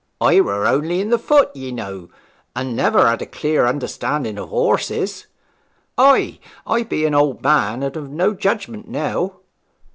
'I were only in the foot, ye know, and never had a clear understanding of horses. Ay, I be a old man, and of no judgment now.'